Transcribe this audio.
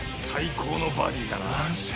最高のバディだな。